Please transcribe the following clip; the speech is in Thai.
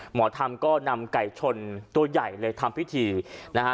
หมอธรรมก็นำไก่ชนตัวใหญ่เลยทำพิธีนะฮะ